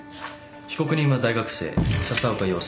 被告人は大学生笹岡庸介。